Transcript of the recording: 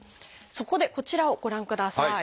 そこでこちらをご覧ください。